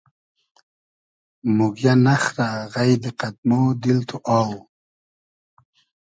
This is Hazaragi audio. موگیۂ نئخرۂ غݷدی قئد مۉ دیل تو اۆ